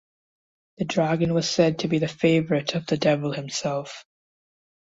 The dragon was said to be the favourite of the Devil himself.